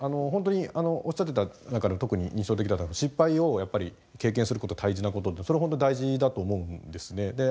本当におっしゃってた中で特に印象的だったのが失敗をやっぱり経験することは大事なことってそれ本当大事だと思うんですね。